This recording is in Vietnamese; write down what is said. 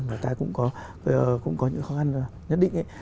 người ta cũng có những khó khăn nhất định ấy